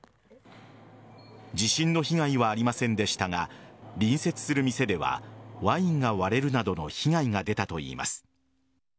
地震の被害はありませんでしたが隣接する店ではワインが割れるなどの被害が出たといいます。